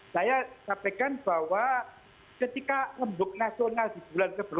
saya sampaikan bahwa ketika lembuk nasional di bulan februari